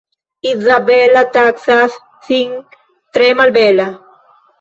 Izabela taksas sin tre malbela.